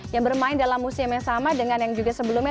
yang bermain dalam musim yang sama dengan yang juga sebelumnya